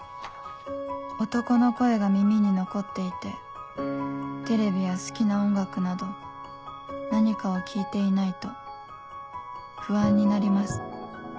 「男の声が耳に残っていてテレビや好きな音楽など何かを聞いていないと不安になります」